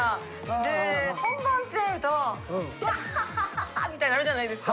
で本番！ってなるとみたいになるじゃないですか。